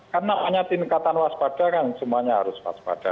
karena penyatian katan waspada kan semuanya harus waspada